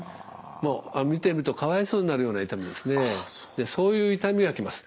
もう見てるとかわいそうになるような痛みですねそういう痛みが来ます。